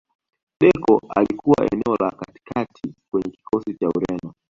deco alikuwa eneo la katikati kwenye kikosi cha ureno